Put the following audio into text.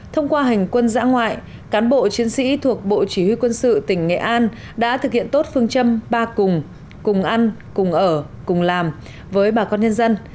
thông qua hành quân giã ngoại cán bộ chiến sĩ thuộc bộ chỉ huy quân sự tỉnh nghệ an đã thực hiện tốt phương châm ba cùng cùng ăn cùng ở cùng làm với bà con nhân dân